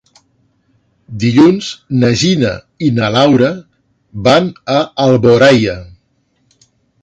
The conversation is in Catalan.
Dilluns na Gina i na Laura van a Alboraia.